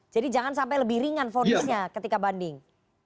jadi jangan sampai lebih ringan fornisnya ketika banding